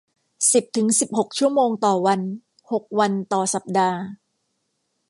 สิบถึงสิบหกชั่วโมงต่อวัน หกวันต่อสัปดาห์